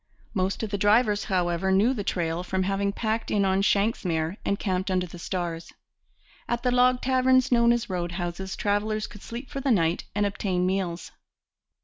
Most of the drivers, however, knew the trail from having packed in on shanks's mare and camped under the stars. At the log taverns known as road houses travellers could sleep for the night and obtain meals.